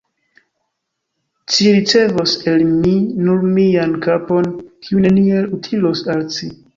Ci ricevos el mi nur mian kapon, kiu neniel utilos al ci.